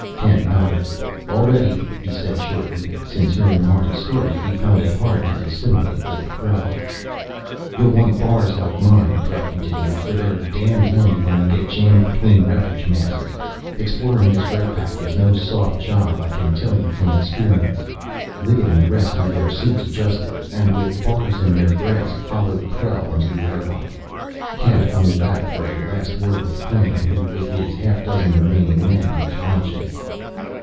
Kent nodded. "All ready," he said shortly. Since hearing Marta's story he found it hard to dissimulate with Krell. "You'll want bars like mine," Krell continued, "for they're damned handy when you get jammed between wreckage masses. Exploring this wreck pack is no soft job: I can tell you from experience." Liggett and the rest had their suits adjusted, and with bars in their grasp, followed Krell into the airlock. Kent hung back for a last word with Crain, who, with his half dozen remaining men, was watching.